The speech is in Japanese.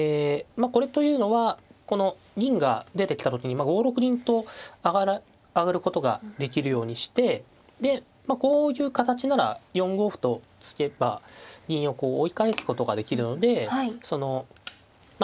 これというのはこの銀が出てきた時に５六銀と上がることができるようにしてでこういう形なら４五歩と突けば銀をこう追い返すことができるのでまあ